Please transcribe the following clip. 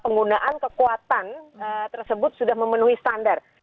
penggunaan kekuatan tersebut sudah memenuhi standar